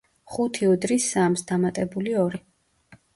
ხუთი უდრის სამს დამატებული ორი.